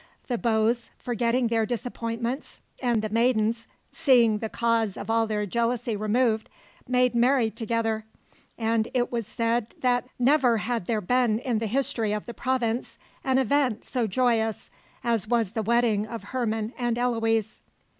The beaux, forgetting their disappointments, and the maidens, seeing the cause of all their jealousy removed, made merry together; and it was said that never had there been in the history of the province an event so joyous as was the wedding of Herman and Eloise.